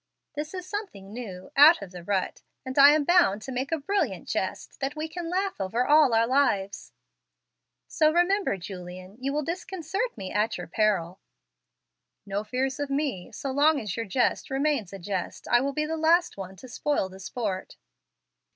This is something new, out of the rut; and I am bound to make it a brilliant jest that we can laugh over all our lives. So remember, Julian, you will disconcert me at your peril." "No fears of me. So long as your jest remains a jest, I will be the last one to spoil the sport."